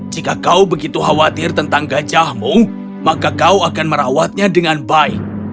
jika kau begitu khawatir tentang gajahmu maka kau akan merawatnya dengan baik